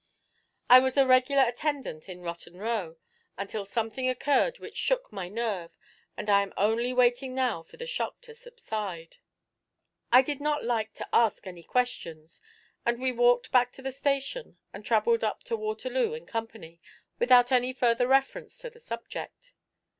I was a regular attendant in Rotten Row until something occurred which shook my nerve, and I am only waiting now for the shock to subside.' I did not like to ask any questions, and we walked back to the station, and travelled up to Waterloo in company, without any further reference to the subject.